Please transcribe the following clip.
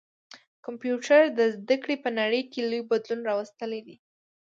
کمپيوټر د زده کړي په نړۍ کي لوی بدلون راوستلی دی.